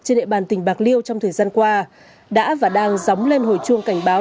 trên địa bàn tỉnh bạc liêu trong thời gian qua đã và đang dóng lên hồi chuông cảnh báo